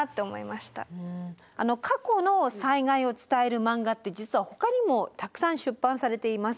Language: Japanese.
過去の災害を伝えるマンガって実はほかにもたくさん出版されています。